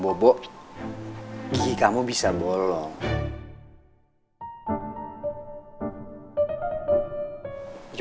sampai dua chris dan rhonda pelosopches